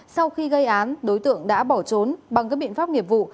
sau khi gây án đối tượng đã bỏ trốn bằng các biện pháp nghiệp vụ